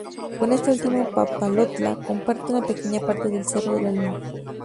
Con este último Papalotla comparte una pequeña parte del Cerro de la Luna.